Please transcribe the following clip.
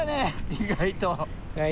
意外とね。